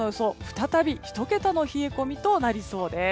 再び１桁の冷え込みとなりそうです。